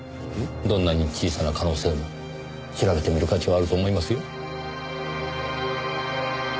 どんなに小さな可能性も調べてみる価値はあると思いますよ。